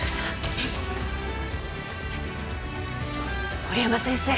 森山先生。